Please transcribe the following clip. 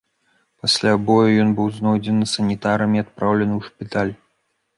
Пасля бою ён быў знойдзены санітарамі і адпраўлены ў шпіталь.